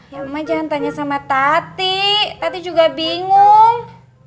ya mama jangan tanya sama tati tati juga bingung